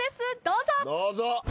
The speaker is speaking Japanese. どうぞ。